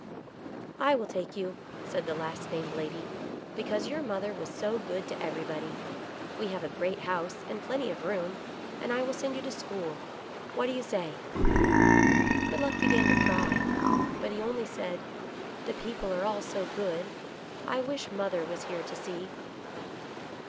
GOOD LUCK. 55 " I will take you," said the last named lady, " because your mother was so good to everybody. We have a great house, and plenty of room, and I will send you to school. What do you say ?" Good Luck began to cry, but he only said, " The people are all so good. I wish mother was here to see."